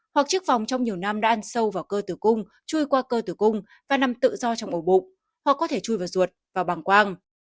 hoặc chiếc vòng trong nhiều năm đã ăn sâu vào cơ tử cung chui qua cơ tử cung và nằm tự do trong ổ bụng hoặc có thể chui vào ruột và bằng quang